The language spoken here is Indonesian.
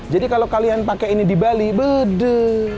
jadi kalau kalian pakai ini di bali beuh duh